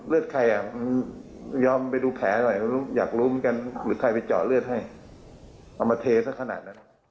เอามาเทสักขนาดนั้น